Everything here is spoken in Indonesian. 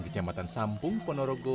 kecamatan sampung ponorogo